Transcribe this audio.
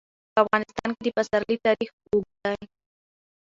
په افغانستان کې د پسرلی تاریخ اوږد دی.